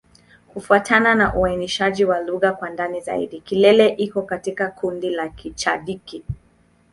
Kufuatana na uainishaji wa lugha kwa ndani zaidi, Kilele iko katika kundi la Kichadiki.